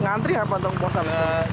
ngantri apa untuk membuat sampah